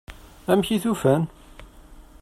Amek i t-ufan?